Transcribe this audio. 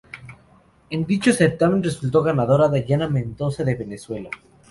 En dicho certamen resultó ganadora Dayana Mendoza de Venezuela.